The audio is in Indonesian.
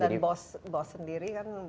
dan bos sendiri kan